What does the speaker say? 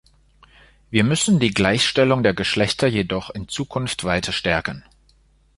Wir müssen die Gleichstellung der Geschlechter jedoch in Zukunft weiter stärken.